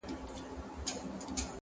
د کتلو د ستایلو نمونه وه-